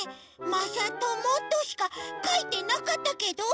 まさとも」としかかいてなかったけど？